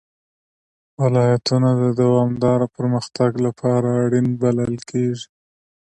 ولایتونه د دوامداره پرمختګ لپاره اړین بلل کېږي.